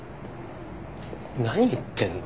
何言ってんの？